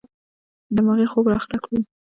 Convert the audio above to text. دماغي خوب اخته کړو.